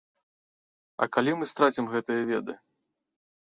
А калі мы страцім гэтыя веды?